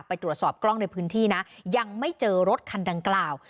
ไปตรวจสอบกล้องในพื้นที่นะยังไม่เจอรถคันดังกล่าว